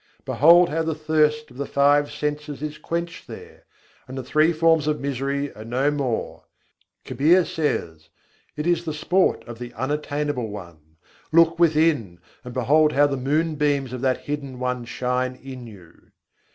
Behold how the thirst of the five senses is quenched there! and the three forms of misery are no more! Kabîr says: "It is the sport of the Unattainable One: look within, and behold how the moon beams of that Hidden One shine in you."